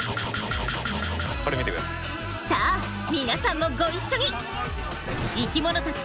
さあ皆さんもご一緒に！